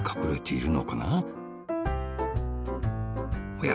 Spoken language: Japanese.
おや？